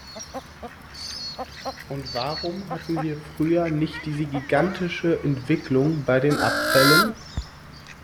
Und warum hatten wir früher nicht diese gigantische Entwicklung bei den Abfällen?